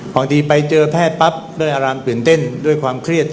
บางทีไปเจอแพทย์ปั๊บอะไรอารามตื่นเต้นด้วยความเครียด